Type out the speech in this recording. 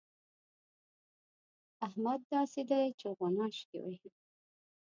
احمد داسې دی چې غوڼاشکې وهي.